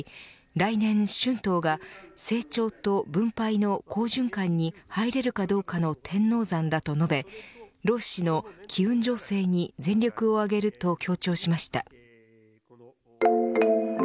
来年、春闘が成長と分配の好循環に入れるかどうかの天王山だと述べ労使の機運醸成に全力を挙げると強調しました。